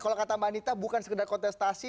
kalau kata mbak anita bukan sekedar kontestasi